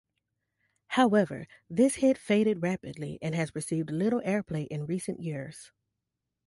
However, this hit faded rapidly and has received little airplay in recent years.